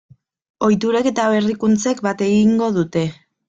Ohiturek eta berrikuntzek bat egingo dute.